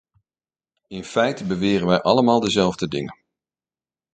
In feite beweren wij allemaal dezelfde dingen.